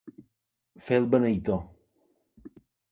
Fer el beneitó.